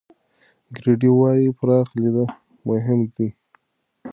ګرېډي وايي، پراخ لید مهم دی.